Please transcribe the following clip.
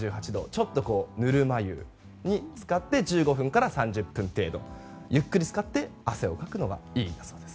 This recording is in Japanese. ちょっとぬるま湯に浸かって１５分から３０分程度ゆっくり浸かって汗をかくのがいいんだそうです。